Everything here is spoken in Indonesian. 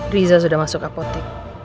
riza sudah masuk apotek